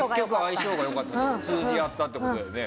通じ合ったってことだよね。